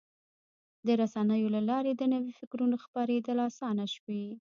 د رسنیو له لارې د نوي فکرونو خپرېدل اسانه شوي.